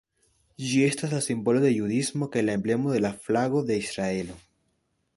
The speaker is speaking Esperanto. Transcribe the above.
Ĝi estas la simbolo de judismo kaj la emblemo de la flago de Israelo.